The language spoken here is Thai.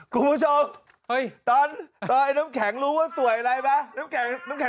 คุณผู้ชมตอนน้ำแข็งรู้ว่าสวยอะไรปะน้ำแข็งทำไงนะ